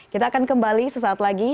kita akan kembali sesaat lagi